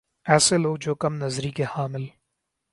ایسے لوگ جو کم نظری کے حامل